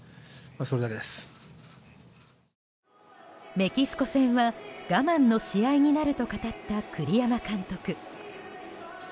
メキシコ戦は、我慢の試合になると語った栗山監督。